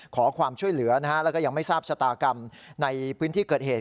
ขอความช่วยเหลือนะฮะแล้วก็ยังไม่ทราบชะตากรรมในพื้นที่เกิดเหตุ